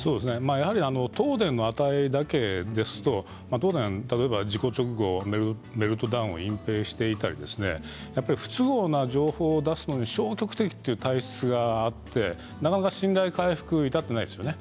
やはり東電の値だけですと東電は事故直後にメルトダウンを隠蔽していたり不都合な情報を出すことに消極的な体質があってなかなか信頼回復に至っていないですね。